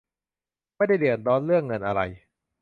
ไม่ได้เดือดร้อนเรื่องเงินอะไร